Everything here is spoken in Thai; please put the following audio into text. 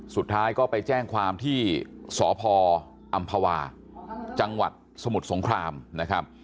สุดท้ายก็ไปแจ้งความที่สพออำภาวาจังหวัดสมุทรสงครามนะครับ